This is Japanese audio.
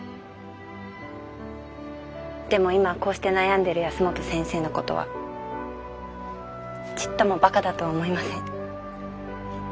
でも今こうして悩んでる保本先生の事はちっともバカだとは思いません。